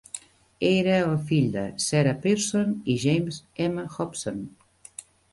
Era el fill de Sarah Pearson i James M Hobson.